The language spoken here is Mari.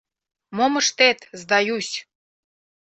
— Мом ыштет, сдаюсь.